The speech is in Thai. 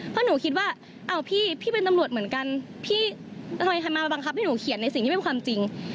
เพราะหนูคิดว่าอ้าวพี่พี่เป็นตำรวจเหมือนกันพี่ทำไมใครมาบังคับให้หนูเขียนในสิ่งที่เป็นความจริง